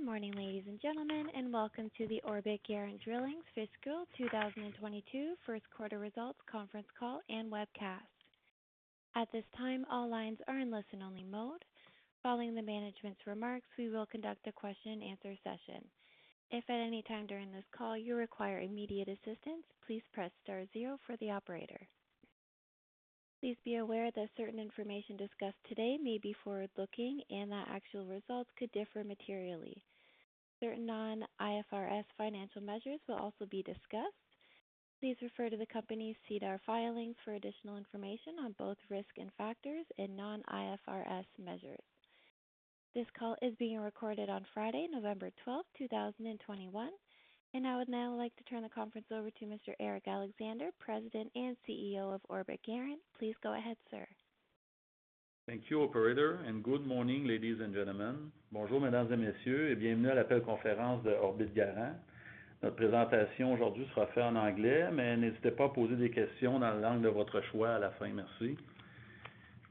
Good morning, ladies and gentlemen, and welcome to the Orbit Garant Drilling Inc.'s Fiscal 2022 First Quarter Results conference call and webcast. At this time, all lines are in listen-only mode. Following the management's remarks, we will conduct a question and answer session. If at any time during this call you require immediate assistance, please press star zero for the operator. Please be aware that certain information discussed today may be forward-looking and that actual results could differ materially. Certain non-IFRS financial measures will also be discussed. Please refer to the company's SEDAR filings for additional information on both risk factors and non-IFRS measures. This call is being recorded on Friday, November 12, 2021, and I would now like to turn the conference over to Mr. Eric Alexandre, President and CEO of Orbit Garant Drilling Inc. Please go ahead, sir. Thank you, operator, and good morning, ladies and gentlemen.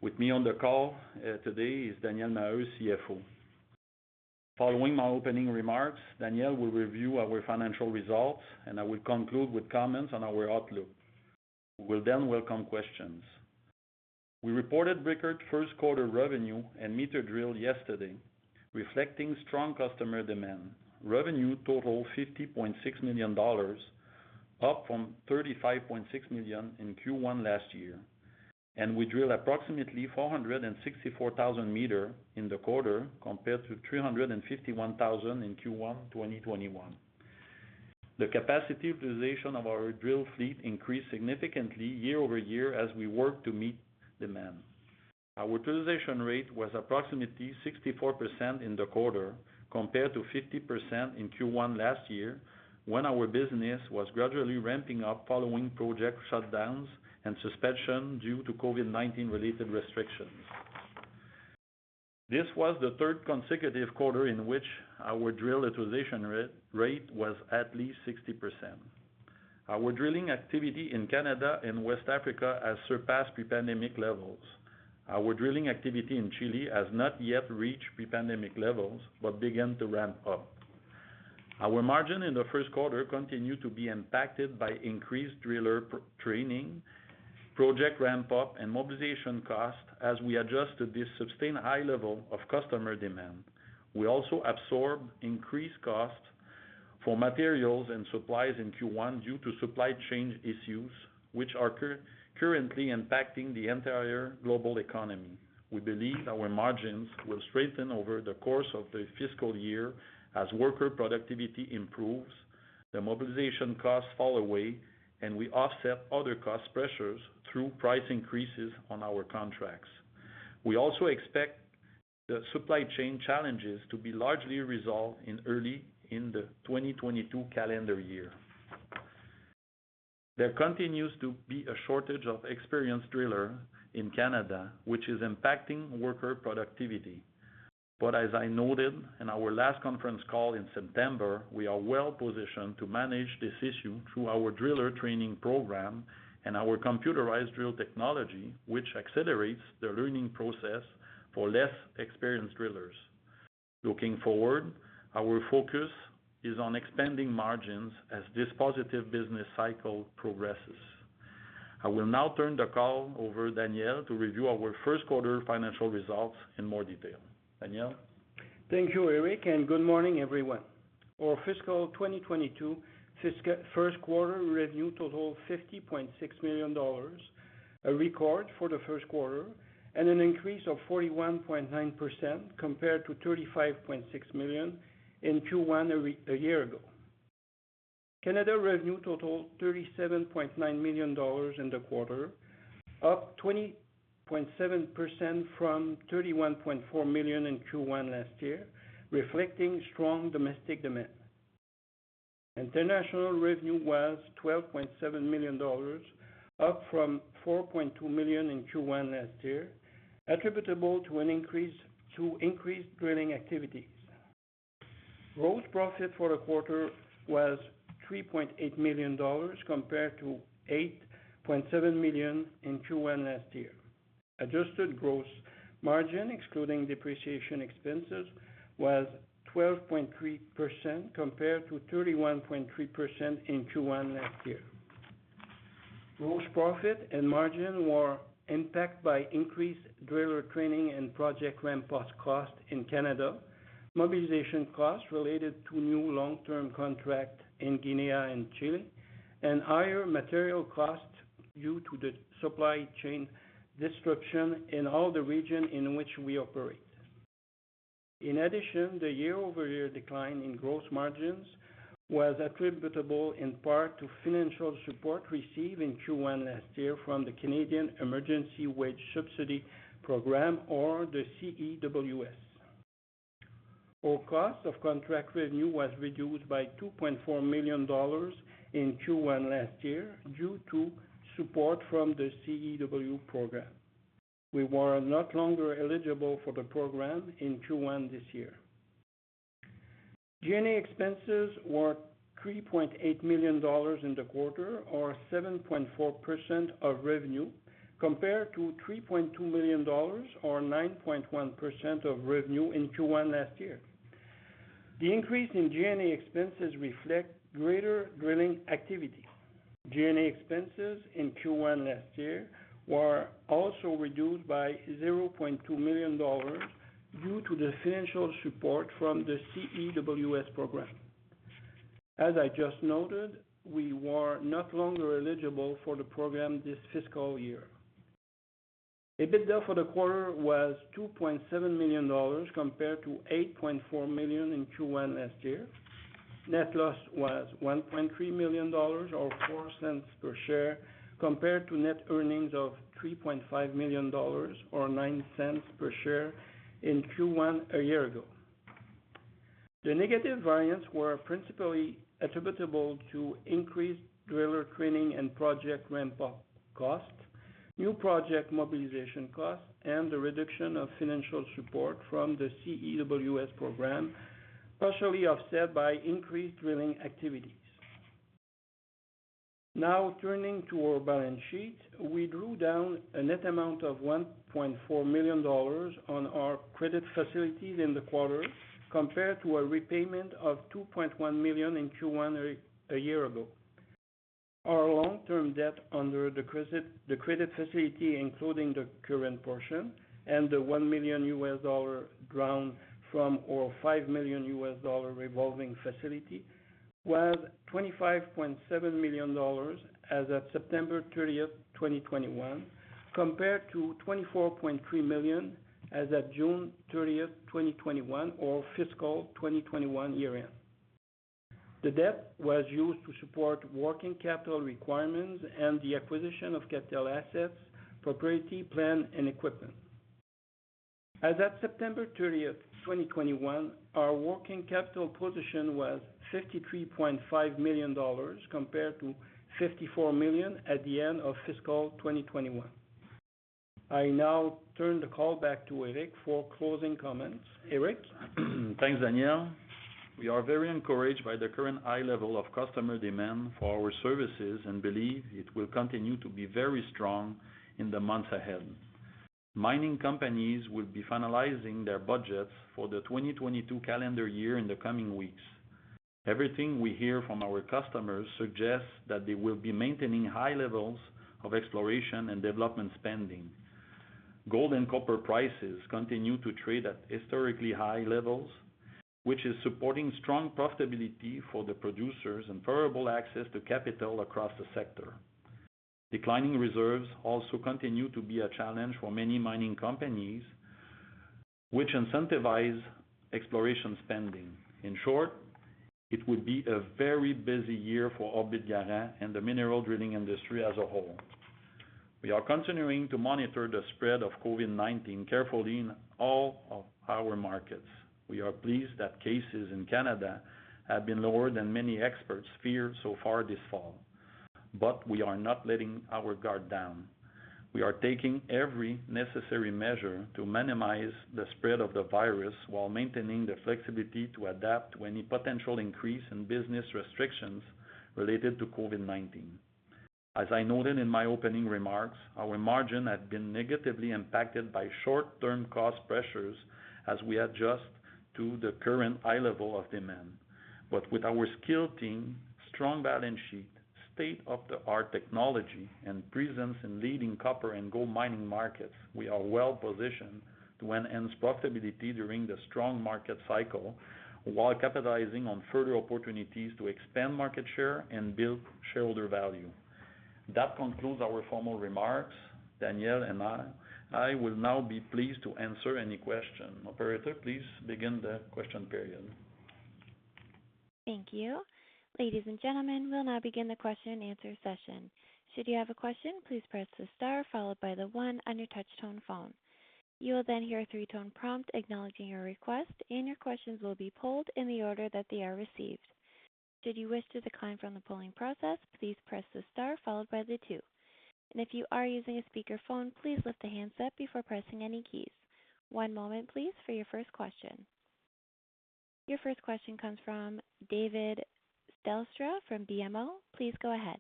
With me on the call today is Daniel Maheu, CFO. Following my opening remarks, Daniel will review our financial results, and I will conclude with comments on our outlook. We'll then welcome questions. We reported record first-quarter revenue and meters drilled yesterday, reflecting strong customer demand. Revenue totaled 50.6 million dollars, up from 35.6 million in Q1 last year, and we drilled approximately 464,000 meters in the quarter, compared to 351,000 in Q1 2021. The capacity utilization of our drill fleet increased significantly year-over-year as we worked to meet demand. Our utilization rate was approximately 64% in the quarter, compared to 50% in Q1 last year, when our business was gradually ramping up following project shutdowns and suspension due to COVID-19 related restrictions. This was the third consecutive quarter in which our drill utilization rate was at least 60%. Our drilling activity in Canada and West Africa has surpassed pre-pandemic levels. Our drilling activity in Chile has not yet reached pre-pandemic levels, but began to ramp up. Our margin in the first quarter continued to be impacted by increased driller pre-training, project ramp-up and mobilization costs as we adjusted to this sustained high level of customer demand. We also absorbed increased costs for materials and supplies in Q1 due to supply chain issues which are currently impacting the entire global economy. We believe our margins will strengthen over the course of the fiscal year as worker productivity improves, the mobilization costs fall away, and we offset other cost pressures through price increases on our contracts. We also expect the supply chain challenges to be largely resolved in early 2022 calendar year. There continues to be a shortage of experienced drillers in Canada, which is impacting worker productivity. As I noted in our last conference call in September, we are well positioned to manage this issue through our driller training program and our computerized drill technology, which accelerates the learning process for less experienced drillers. Looking forward, our focus is on expanding margins as this positive business cycle progresses. I will now turn the call over to Daniel Maheu to review our first quarter financial results in more detail. Daniel Maheu? Thank you, Eric, and good morning, everyone. Our fiscal 2022 first quarter revenue totaled 50.6 million dollars, a record for the first quarter, and an increase of 41.9% compared to 35.6 million in Q1 a year ago. Canada revenue totaled 37.9 million dollars in the quarter, up 20.7% from 31.4 million in Q1 last year, reflecting strong domestic demand. International revenue was 12.7 million dollars, up from 4.2 million in Q1 last year, attributable to increased drilling activities. Gross profit for the quarter was 3.8 million dollars compared to 8.7 million in Q1 last year. Adjusted gross margin, excluding depreciation expenses, was 12.3% compared to 31.3% in Q1 last year. Gross profit and margin were impacted by increased driller training and project ramp-up costs in Canada, mobilization costs related to new long-term contract in Guinea and Chile, and higher material costs due to the supply chain disruption in all the regions in which we operate. In addition, the year-over-year decline in gross margins was attributable in part to financial support received in Q1 last year from the Canada Emergency Wage Subsidy, or the CEWS. Our cost of contract revenue was reduced by 2.4 million dollars in Q1 last year due to support from the CEWS program. We were no longer eligible for the program in Q1 this year. G&A expenses were 3.8 million dollars in the quarter or 7.4% of revenue, compared to 3.2 million dollars or 9.1% of revenue in Q1 last year. The increase in G&A expenses reflect greater drilling activity. G&A expenses in Q1 last year were also reduced by 0.2 million dollars due to the financial support from the CEWS program. As I just noted, we were no longer eligible for the program this fiscal year. EBITDA for the quarter was 2.7 million dollars, compared to 8.4 million in Q1 last year. Net loss was 1.3 million dollars or 0.04 per share, compared to net earnings of 3.5 million dollars or 0.09 per share in Q1 a year ago. The negative variance were principally attributable to increased driller training and project ramp-up costs, new project mobilization costs, and the reduction of financial support from the CEWS program, partially offset by increased drilling activities. Now turning to our balance sheet. We drew down a net amount of 1.4 million dollars on our credit facilities in the quarter, compared to a repayment of 2.1 million in Q1 a year ago. Our long-term debt under the credit, the credit facility, including the current portion and the CAD 1 million drawn from our CAD 5 million revolving facility, was 25.7 million dollars as of September 30th, 2021, compared to 24.3 million as of June 30th, 2021 or fiscal 2021 year end. The debt was used to support working capital requirements and the acquisition of capital assets, property, plant, and equipment. As of September 30th, 2021, our working capital position was 53.5 million dollars, compared to 54 million at the end of fiscal 2021. I now turn the call back to Eric for closing comments. Eric? Thanks, Daniel. We are very encouraged by the current high level of customer demand for our services and believe it will continue to be very strong in the months ahead. Mining companies will be finalizing their budgets for the 2022 calendar year in the coming weeks. Everything we hear from our customers suggests that they will be maintaining high levels of exploration and development spending. Gold and copper prices continue to trade at historically high levels, which is supporting strong profitability for the producers and favorable access to capital across the sector. Declining reserves also continue to be a challenge for many mining companies, which incentivize exploration spending. In short, it would be a very busy year for Orbit Garant and the mineral drilling industry as a whole. We are continuing to monitor the spread of COVID-19 carefully in all of our markets. We are pleased that cases in Canada have been lower than many experts feared so far this fall, but we are not letting our guard down. We are taking every necessary measure to minimize the spread of the virus while maintaining the flexibility to adapt to any potential increase in business restrictions related to COVID-19. As I noted in my opening remarks, our margin had been negatively impacted by short-term cost pressures as we adjust to the current high level of demand. With our skilled team, strong balance sheet, state-of-the-art technology, and presence in leading copper and gold mining markets, we are well-positioned to enhance profitability during the strong market cycle while capitalizing on further opportunities to expand market share and build shareholder value. That concludes our formal remarks. Daniel and I will now be pleased to answer any question. Operator, please begin the question period. Thank you. Ladies and gentlemen, we'll now begin the question and answer session. Should you have a question, please press the star followed by the one on your touch tone phone. You will then hear a three-tone prompt acknowledging your request, and your questions will be pooled in the order that they are received. Should you wish to decline from the pooling process, please press the star followed by the two. If you are using a speakerphone, please lift the handset before pressing any keys. One moment, please, for your first question. Your first question comes from David Strauch from BMO. Please go ahead.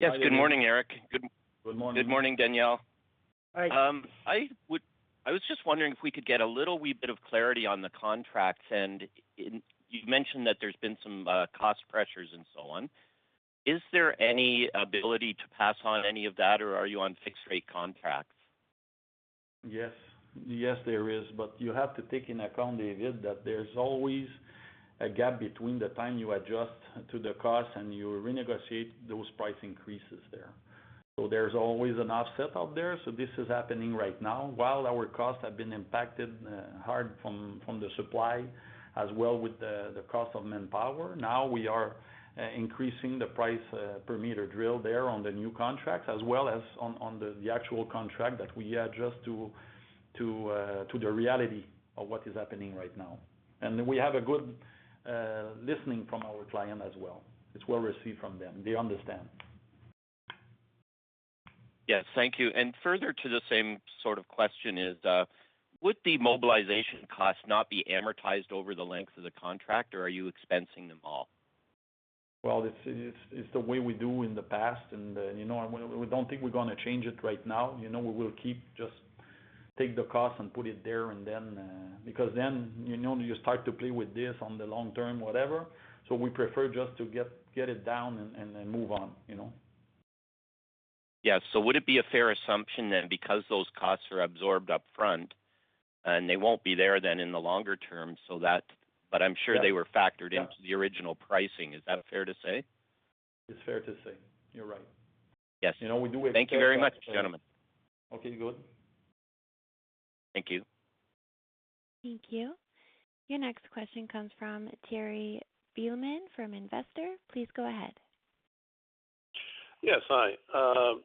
Yes. Good morning, Eric. Good morning. Good morning, Daniel. Hi. I was just wondering if we could get a little wee bit of clarity on the contracts, and you've mentioned that there's been some cost pressures and so on. Is there any ability to pass on any of that, or are you on fixed rate contracts? Yes. Yes, there is. You have to take into account, David, that there's always a gap between the time you adjust to the cost and you renegotiate those price increases there. There's always an offset out there. This is happening right now. While our costs have been impacted hard from the supply as well with the cost of manpower, now we are increasing the price per meter drilled there on the new contracts as well as on the actual contract that we adjust to the reality of what is happening right now. We have a good listening from our client as well. It's well received from them. They understand. Yes. Thank you. Further to the same sort of question is, would the mobilization costs not be amortized over the length of the contract, or are you expensing them all? Well, it's the way we do in the past. You know, we don't think we're gonna change it right now. You know, we will keep just take the cost and put it there and then. Because then, you know, you start to play with this on the long term, whatever. We prefer just to get it down and move on, you know? Yes. Would it be a fair assumption then, because those costs are absorbed upfront and they won't be there then in the longer term. But I'm sure they were factored into the original pricing. Is that fair to say? It's fair to say. You're right. Yes. You know, we do. Thank you very much, gentlemen. Okay, good. Thank you. Thank you. Your next question comes from Terry Beelman, Investor. Please go ahead. Yes. Hi. Hi.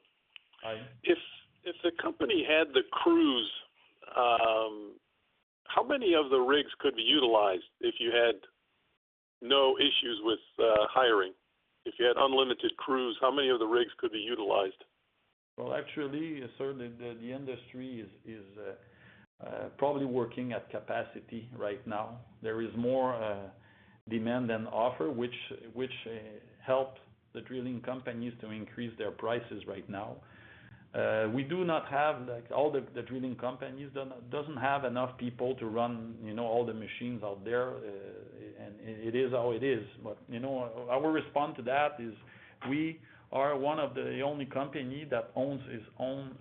If the company had the crews, how many of the rigs could be utilized if you had no issues with hiring? If you had unlimited crews, how many of the rigs could be utilized? Well, actually, certainly the industry is probably working at capacity right now. There is more demand than supply, which helped the drilling companies to increase their prices right now. All the drilling companies don't have enough people to run, you know, all the machines out there. It is how it is. You know, our response to that is we are one of the only company that owns its own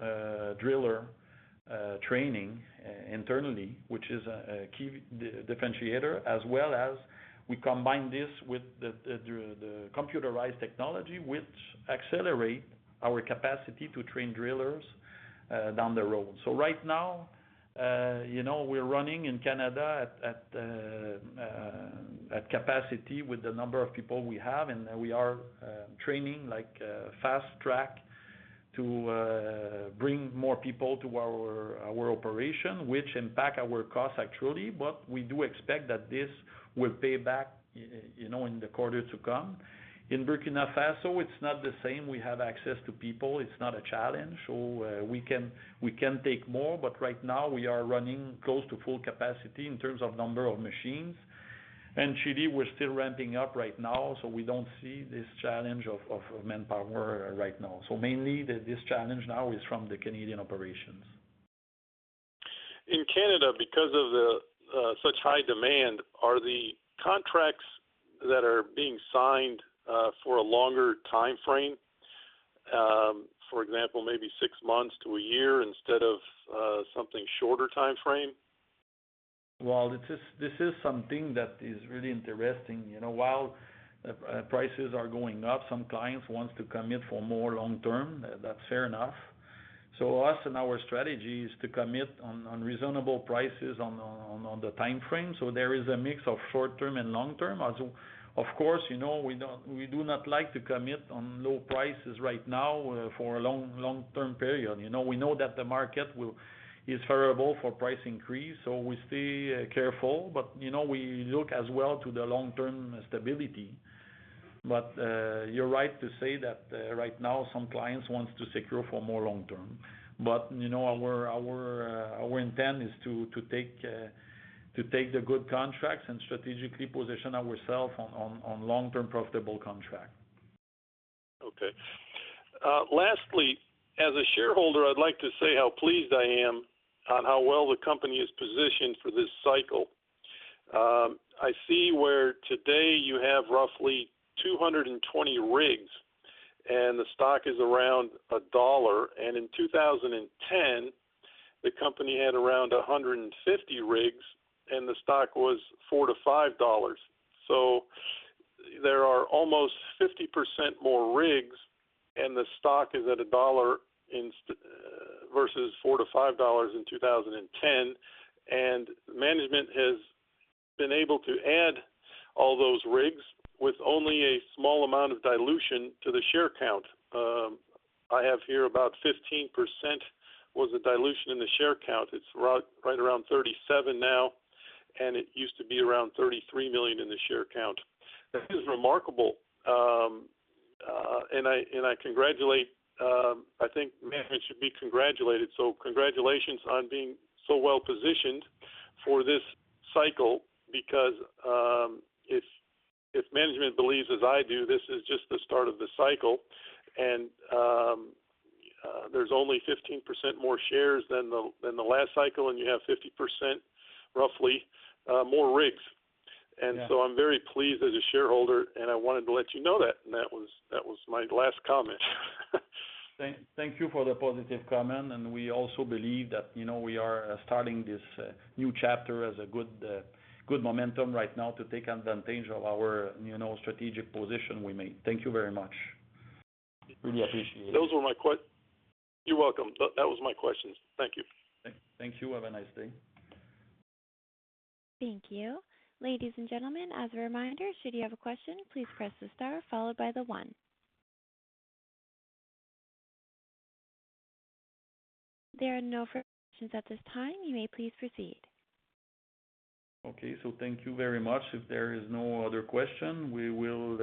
driller training internally, which is a key differentiator, as well as we combine this with the computerized technology, which accelerate our capacity to train drillers down the road. Right now, you know, we're running in Canada at capacity with the number of people we have, and we are training like fast track to bring more people to our operation, which impact our costs actually. But we do expect that this will pay back, you know, in the quarter to come. In Burkina Faso, it's not the same. We have access to people. It's not a challenge. We can take more, but right now we are running close to full capacity in terms of number of machines. In Chile, we're still ramping up right now, so we don't see this challenge of manpower right now. Mainly this challenge now is from the Canadian operations. In Canada, because of such high demand, are the contracts that are being signed for a longer timeframe? For example, maybe six months to a year instead of something shorter timeframe? This is something that is really interesting. While prices are going up, some clients wants to commit for more long term. That's fair enough. Us and our strategy is to commit on reasonable prices on the timeframe. There is a mix of short term and long term. We do not like to commit on low prices right now for a long term period. We know that the market is favorable for price increase, so we stay careful. We look as well to the long term stability. You're right to say that right now some clients wants to secure for more long term. You know, our intent is to take the good contracts and strategically position ourselves on long term profitable contract. Okay. Lastly, as a shareholder, I'd like to say how pleased I am with how well the company is positioned for this cycle. I see where today you have roughly 220 rigs, and the stock is around CAD 1. In 2010, the company had around 150 rigs, and the stock was 4-5 dollars. There are almost 50% more rigs, and the stock is at CAD 1 versus 4-5 dollars in 2010. Management has been able to add all those rigs with only a small amount of dilution to the share count. I have here about 15% was the dilution in the share count. It's right around 37 now, and it used to be around 33 million in the share count. That is remarkable. I think management should be congratulated. Congratulations on being so well positioned for this cycle because if management believes as I do, this is just the start of the cycle and there's only 15% more shares than the last cycle, and you have 50%, roughly, more rigs. Yeah. I'm very pleased as a shareholder, and I wanted to let you know that. That was my last comment. Thank you for the positive comment. We also believe that, you know, we are starting this new chapter as a good momentum right now to take advantage of our, you know, strategic position we made. Thank you very much. I really appreciate it. Those were my questions. You're welcome. That was my questions. Thank you. Thank you. Have a nice day. Thank you. Ladies and gentlemen, as a reminder, should you have a question, please press the star followed by the one. There are no further questions at this time. You may please proceed. Okay. Thank you very much. If there is no other question, we will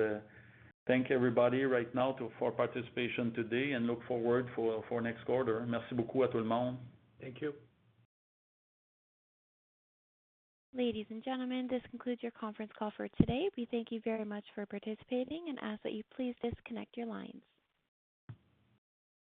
thank everybody right now for participation today and look forward to next quarter. Thank you. Ladies and gentlemen, this concludes your conference call for today. We thank you very much for participating and ask that you please disconnect your lines.